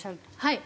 はい。